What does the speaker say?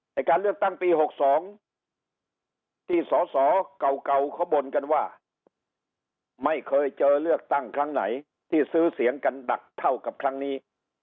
การเลือกตั้งปี๖๒ที่สอสอเก่าเขาบ่นกันว่าไม่เคยเจอเลือกตั้งครั้งไหนที่ซื้อเสียงกันหนักเท่ากับครั้งนี้